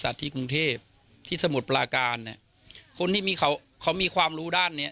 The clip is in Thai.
ที่สมุดปราการคนที่เขามีความรู้ด้านนี้